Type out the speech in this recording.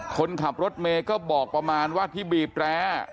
คนขับรถเมย์ก็บอกประมาณว่าที่บีบแร้